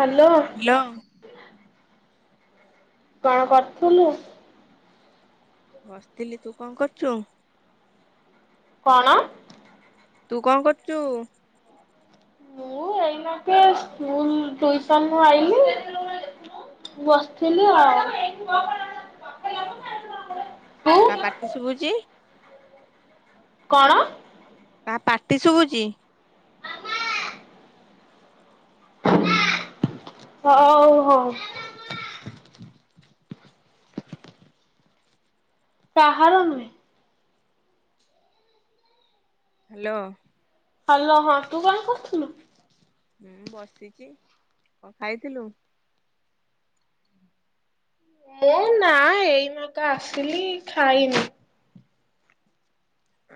Hello hello. କଣ କରୁଥୁଲୁ? ବସିଥିଲି ତୁ କଣ କରୁଛୁ? କଣ? ତୁ କଣ କରୁଛୁ? ମୁଁ ଏଇନାକେ ସ୍କୁଲ ଟ୍ୟୁସନ୍ ରୁ ଆଇଲି। ବସିଥିଲି ଆଉ। ତୁ କା ପାଟି ଶୁଭୁଛି? କଣ? କାହା ପାଟି ଶୁଭୁଛି? ହଉ ହଉ। କାହାର ନୁହେଁ? Hello hello. ହ୍ୟାଲୋ ହଁ ତୁ କଣ କରୁଥୁଲୁ? ହୁଁ ବସିଛି କଣ ଖାଇଥିଲୁ? ମୁଁ ନା ଏଇ ନେକା ଆସିଲି ଖାଇନି।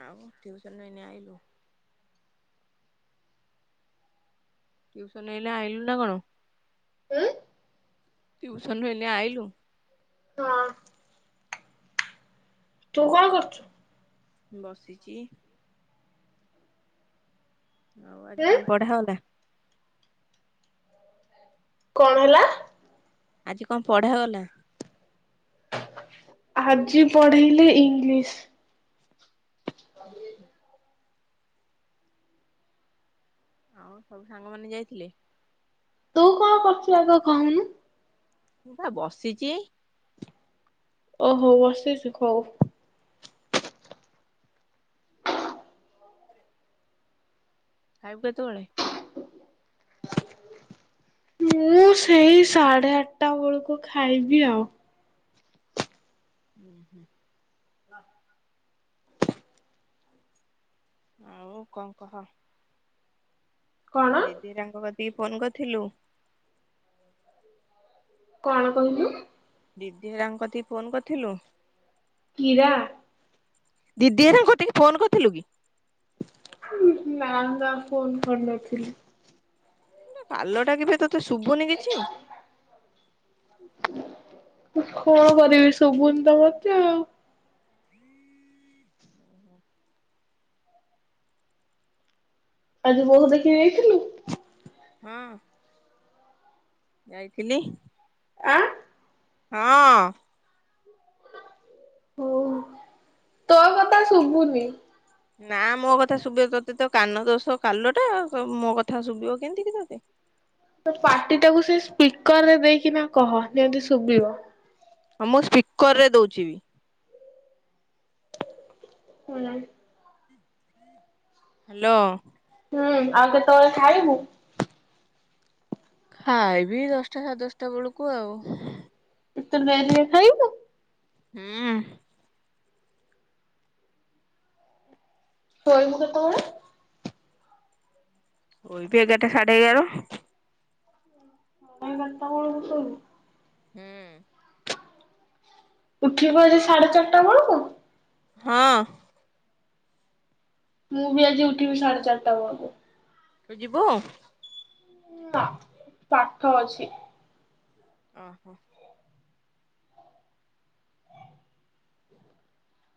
ଆଉ ଟ୍ୟୁସନରୁ ଏଇନେ ଆଇଲୁ? ଟ୍ୟୁସନରୁ ଏଇନେ ଆଇଲୁ ନା କଣ? ହୁଁ। ଟ୍ୟୁସନରୁ ଏଇନେ ଆଇଲୁ। ହଁ। ତୁ କଣ କରୁଛୁ? ବସିଛି। ହଉ ଆଜି ଉଁ କଣ ପଢା ଗଲା। କଣ ହେଲା? ଆଜି କଣ ପଢାଗଲା? ଆଜି ପଢ଼ିଲି ଇଂଲିଶ। ହୁଁ ହୁଁ। ଆଉ ସବୁ ସାଙ୍ଗମାନେ ଯାଇଥିଲେ? ତୁ କଣ କରୁଛୁ ଆଗ କହୁନୁ? ମୁଁ ପା ବସିଚି। ଓହୋ ବସିଚୁ ଖଉ। ଖାଇବୁ କେତେବେଳେ? ମୁଁ ସେଇ ସାଢ଼େ ଆଠଟା ବେଳକୁ ଖାଇବି ଆଉ। ହୁଁ ହୁଁ। ଆଉ କଣ କହ। କଣ ଦିଦି ହରିଆଙ୍କ କତିକି ଫୋନ କରିଥିଲୁ? କଣ କହିଲୁ? ଦିିଦି ହରିଆଙ୍କ କତିକି ଫୋନ କରିଥିଲୁ? କୀରା। ଦିଦି ହରିଆଙ୍କ କତିକି ଫୋନ୍ କରିଥିଲୁ କି? ନା ନା ଫୋନ କରିନଥିଲି। ଏଟା କାଲଟା କିବେ ତ ତୁ ଶୁଭୁନି। ଏ କିଛି [inaudible] ମୁଁ କଣ କରିବି ଶୁଭୁନି ତ ମତେ ଆଉ। ଆଜି ବୋଉକୁ ଦେଖି ଯାଇଥିଲୁ? ହଁ ଯାଇଥିଲି। ଆ ହଁ ଅଁ। ଓହ ତୋ କଥା ଶୁଭୁନି। ନା ମୋ କଥା ଶୁଭିବ ତୋତେ ତ କାନ ଦୋଷ କାଲ ଟା ମୋ କଥା ଶୁଭିବ କେମିତି କି ତୋତେ। ତୋ ପାଟି ଟାକୁ ସେ ସ୍ପିକର ରେ ଦେଇକିନା କହ ଯେମିତି ଶୁଭିବ। ହଁ ମୁଁ ସ୍ପିକର ରେ ଦଉଚି ବି। ହଲା ହ୍ୟାଲୋ। ହୁଁ ଆଉ କେତେବେଳେ ଖାଇବୁ? ଖାଇବି ଦଶଟା ସାଢ଼େ ଦଶଟା ବଳୁକୁ ଆଉ। ଏତେ ଲେଟରେ ଖାଇବୁ। ହୁଁ। ଶୋଇବୁ କେତବେଳେ? କୋଇବି ଏଗାରଟା ସାଢ଼େ ଏଗାର। ନାଇଁ ବାରଟା ବଳକୁ ଶୋଇବୁ। ହୁଁ। ଉଠିବୁ ଆଜି ସାଢେ ଚାରିଟା ବଳୁକୁ। ହଁ। ମୁଁ ବି ଆଜି ଉଠିବି ସାଢ଼େ ଚାରିଟା ବଳକୁ। ତୁ ଯିବୁ? ହଁ ପାଠ ଅଛି। ଓ ହୋ।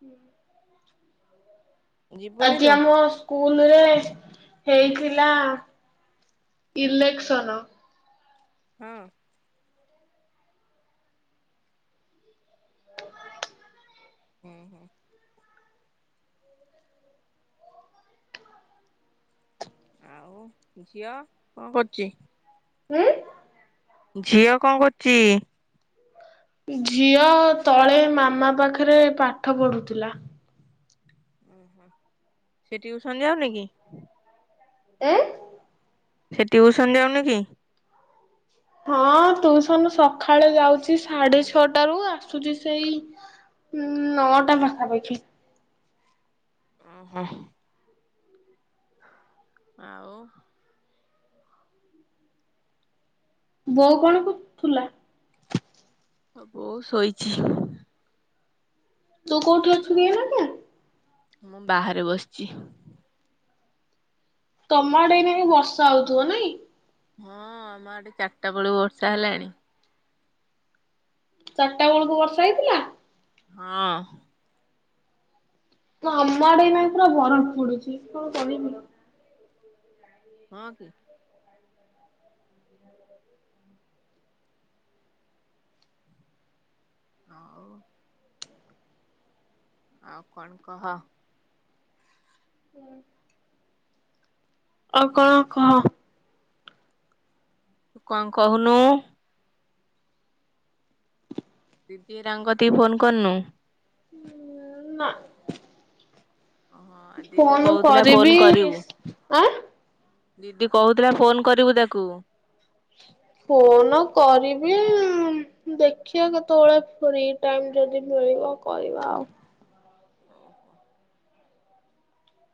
ହୁଁ ଯିବୁନି ଆଜି ତୁ ଆମ ସ୍କୁଲରେ ହେଇଥିଲା ଇଲେକ୍ସନ। ହଁ। ହଁ ହଁ। ଆଉ ଝିଅ କଅଁ କରୁଚି? ଉଁ। ଝିଅ କଣ କରୁଚି? ଝିଅ ତଳେ ମାମା ପାଖେରେ ପାଠ ପଢୁଥିଲା। ଓହୋ ସେ ଟିଉସନ ଯାଉନିକି? ଆଁ? ସେ ଟିଉସନ ଯାଉନି କ? ହଁ ଟୁଇସନ ସଖାଳେ ଯାଉଛି ସାଢେ ଛଅଟାରୁ ଆସୁଚି ସେଇ ହୁଁ ନଅଟା ପାଖାପାଖି। ଓହୋ। ଆଉ ବୋଉ କଣ କରୁଥୁଲା? ଆ ବଉ ଶୋଇଛି। ତୁ କୋଉଠି ଅଛୁ କି ଏଇନାକେ? ମୁଁ ବାହାରେ ବସିଛି। ତମ ଆଡେ ଏଇନାକେ ବର୍ଷା ହଉଥିବ ନାଇଁ। ହଁ ଆମ ଆଡ଼େ ଚାରିଟା ବେଳୁ ବର୍ଷା ହେଲାଣି। ଚାରିଟା ବେଳକୁ ବର୍ଷା ହେଇଥିଲା? ହଁ। ନା ଆମ ଆଡେ ନାଇନାକେ ପୁରା ବରଫ ପଡୁଚି କଣ କରିବି? ହଁ କି। ହଁ ହଉ। ଆଉ କଣ କହ? ହୁଁ। ଆଉ କଣ କହ? ତୁ କଣ କହୁନୁ? ଦିଦି ହେରିକାଙ୍କ କତିକି ଫୋନ୍ କରନୁ? ନା ଓ ହଁ ଦିଦି ଫୋନ କହୁଥିଲା କରିବି ଫୋନ କରିବୁ। ଆଁ ଦିଦି କହୁଥୁଲା ଫୋନ୍ କରିବୁ ତାକୁ। ଫୋନ କରିବି ଆଁ। ଦେଖିଆ କେତୋଳେ ଫ୍ରି ଟାଇମ୍ ଯଦି ମିଳିବ କରିବା ଆଉ। ଓହୋ।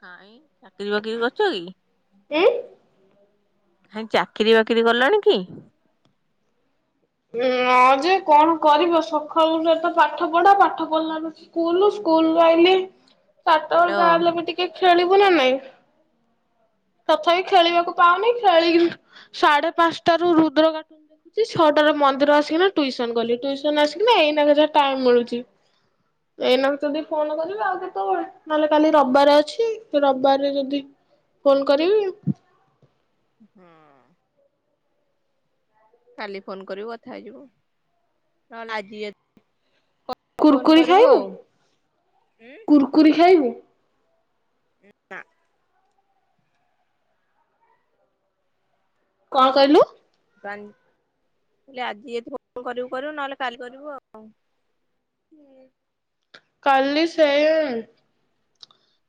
କାଇଁ ଚାକିରୀ ବାକିରି କରୁଚ କି? ଏଁ? ହାଇଁ ଚାକିରି ବାକିରି କଲାଣି କି? ଉଁ ନା ଯେ କଣ କରିବ ସଖାଳୁ ଉଠିଲେ ତ ପାଠ ପଢ଼ା ପାଠ ପଢି଼ଲାରୁ ସ୍କୁଲ୍ ସ୍କୁଲ୍ ରୁ ଆଇଲି। ଚାରଟା ବେଳେ ହ୍ୟାଲୋ ଯାହା ହେଲେ ବି ଟିକେ ଖେଳିବୁ ନା ନାଇଁ? ତଥାପି ଖେଳିବାକୁ ଓହୋ ପାଉନି ଖେଳି ସାଢ଼େ ପାଁଶଟାରୁ ରୁଦ୍ର କାଟୁନ୍ ଦେଖୁଚି ଛ ତାରୁ ମନ୍ଦିର ଆସିକିନା ଟୁଇସନ୍ ଗଲି ଟୁଇସନ୍ ଆସିକିନା ଏଇନାକେ ଯାହା ଟାଇମ୍ ମିଳୁଚି। ଏଇନାକୁ ଚଦି ଫୋନ୍ କରିବି ଆଉ କେତୋଳେ ନହେଲେ କାଲି ରବାର ଅଛି ରବିବାରରେ ଯଦି ଫୋନ୍ କରିବି। ହଁ। କାଲି ଫୋନ୍ କରିବୁ କଥା ହେଇଯିବୁ ନହେଲେ ଆଜି ଯ ଫୋନ୍ କୁୁରକୁରି କରିବୁ ଆଉ। କୁରି ଖାଇବୁ? ଉଁ ନାଁ। କଣ କହିଲୁ? ବାନ୍ ହେଲେ ଆଜି ଯଦି ଫ କରିବୁ କରିବୁ ନହେଲେ କାଲି କରିବୁ ଆଉ। ହୁଁ। କାଲି ସେଇ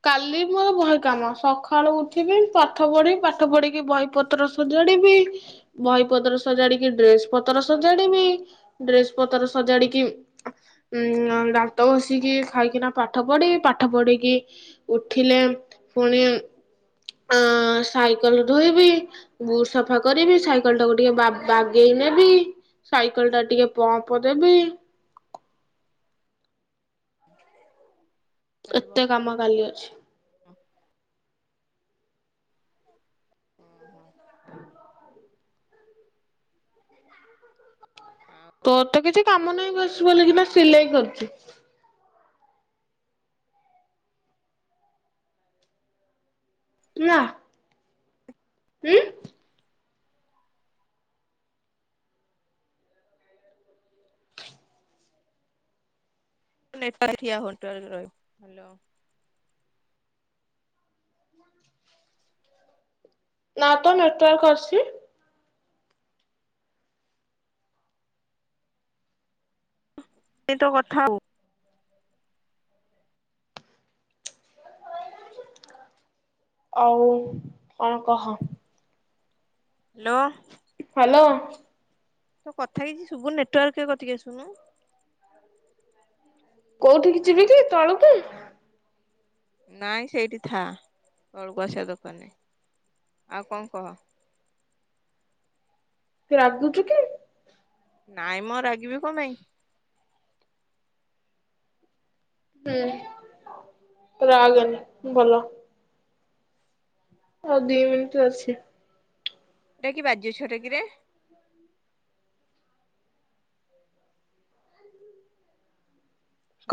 କାଲି ମୋର ବହେ କାମ ସଖାଳୁ ଉଠିବି ପାଠ ପଢ଼ି ପାଠ ପଢ଼ିକି ବହି ପ ତ୍ର ସଜାଡି଼ବି ବହି ପତ୍ର ସଜାଡି଼କି ଡ୍ରେସ୍ ପତର ସଜାଡ଼ିବି। ଡ୍ରେସ୍ ପତର ସଜାଡି଼କି ଉଁ ନାଁ ଦାନ୍ତ ଘସିକି ଖାଇକିନା ପାଠ ପଢ଼ି ପାଠ ପଢ଼ିକି ଉଠିଲେ ପୁଣି ଅଁ ସାଇକଲ୍ ଧୋଇବି। ବୁ ସଫା କରିବି ସାଇକେଲ୍ ଟାକୁ ଟିକେ ବା ବାଗେଇ ନେବି। ସାଇକେଲ୍ ଟା ଟିକେ ପମ୍ପ୍ ଦେବି। ପଳେଇଦବ। ଏତେ କାମ କାଲି ଅଛି। ତୋ ଆମ୍ବ ଖଲି। ଆଉ ତୋର ତ କିଛି କାମ ନାହିଁ ବସି ବଲିକିନା ସିଲେଇ କରୁଚୁ। ନାଁ। ଉଁ? ଉ ନେଟୱାର୍କ ଠିଆ ହୋଇ ନେଟୱାର୍କର। ନାଁ ତ ନେଟୱାର୍କ ଅଛି। ଏ ତୋ କଥା ଉ ଆଉ କଣ କହ। ହେଲୋ। ହାଲୋ। ତୋ କଥା କିଛି ଶୁବୁନି ନେଟୱାର୍କକେ କତିିକି ଆସୁନୁ। କୋଉଠିକି ଯିବି କି ତଳୁକୁ? ନାଇଁ ସେଇଠି ଥାଆ ତଳୁକୁ ଆସିବା ଦରକାର ନାଇଁ। ଆଉ କଁ କହ। ତୁ ରାଗୁଚୁ କି? ନାଇଁ ମ ରାଗିବି କ ମାଇଁ? ହୁଁ ତୁ ରାଗେନି ଭଲ। ଆଉ ଦି ମିଣ୍ଟି ଅଛି। ଏଇଟା କି ବାଜି୍ୟ ଛୁଆଟା କିରେ?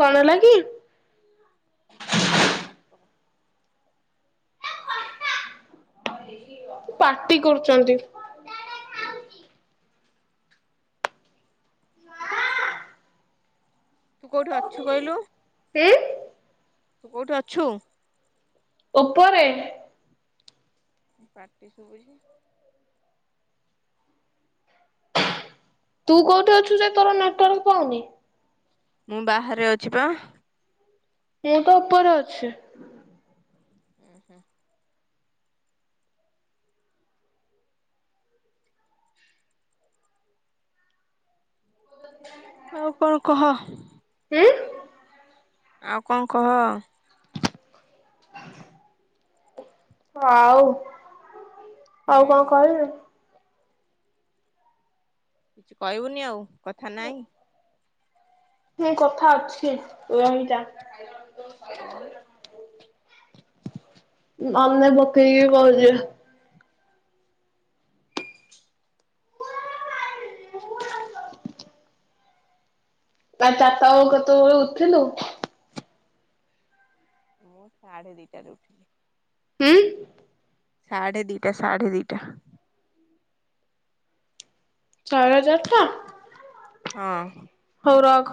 କଣ ହେଲା କି ନାପ ପାଟି କରୁଛନ୍ତି। ତୁ କଉଠି ଅଛୁ କହିଲୁ? ଉ ତୁ କୋଉଠୁ ଅଛୁ? ଉପରେ ପାଟି ସୁବୁଛି। ତୁ କୋଉଠି ଅଛୁ ଯେ ତୋର ନେଟୱାର୍କ ପାଉନି? ମୁଁ ବାହାରେ ଅଛି ପା। ମୁ ତ ଉପରେ ଅଛି। ହୁଁ ହୁଁ। [inaudible] ଆଉ କଣ କହ? ଉଁ ଆଉ କଣ କହ? ଆଉ ଆଉ କଣ ହୁଁ କହିବି? କିଛି କହିବୁନି ଆଉ କଥା ନାହିଁ। ଉଁ କଥା ଅଛି ରହିଯା। ଓ। ମନେ ପକେଇକି କହୁଛି। ତା ଚାପା କେତେବେଳୁ ଉଠିଲୁ। ମୁଁ ସାଢେ ଦିଟାରେ ଉଠିଲି। ହୁଁ। ସାଢ଼େ ଦିଟା ସାଢ଼େ ଦିଟା। ଚାର ହଜାର ତ। ହଁ। ହଉ ରଖ।